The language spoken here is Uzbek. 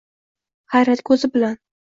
Hayrat ko’zi bilan